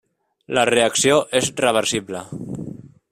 La reacció és reversible.